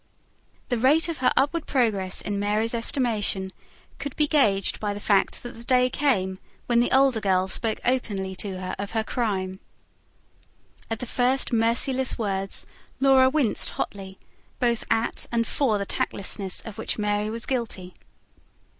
The rate of her upward progress in Mary's estimation could be gauged by the fact that the day came when the elder girl spoke openly to her of her crime. At the first merciless words Laura winced hotly, both at and for the tactlessness of which Mary was guilty.